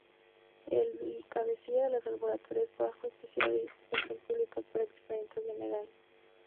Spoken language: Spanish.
El cabecilla de los alborotadores fue ajusticiado y expuesto en público, para escarmiento general.